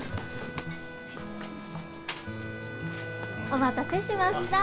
お待たせしました。